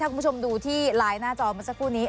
คุณผู้ชมดูที่ไลน์หน้าจอเมื่อสักครู่นี้